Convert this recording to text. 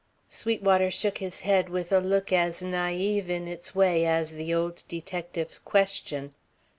Sweetwater shook his head with a look as naive in its way as the old detective's question.